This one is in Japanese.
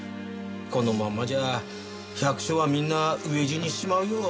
このまんまじゃ百姓はみんな飢え死にしちまうよ。